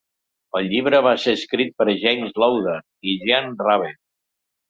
El llibre va ser escrit per James Lowder i Jean Rabe.